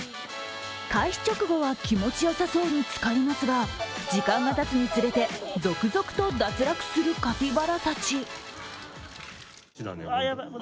開始直後は気持ちよさそうにつかりますが時間がたつにつれて、続々と脱落するカピバラたち。